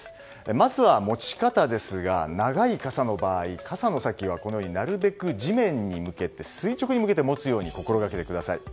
まずは持ち方ですが長い傘の場合傘の先はなるべく地面に向けて垂直に向けて持つように心がけてください。